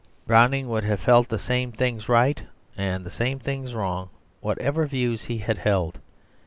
Browning would have felt the same things right and the same things wrong, whatever views he had held.